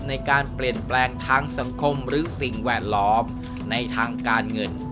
ในการเปลี่ยนแปลงทางสังคมหรือสิ่งแวดล้อมในทางการเงิน